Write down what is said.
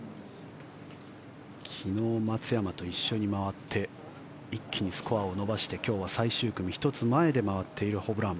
昨日、松山と一緒に回って一気にスコアを伸ばして今日は最終組１つ前で回っているホブラン。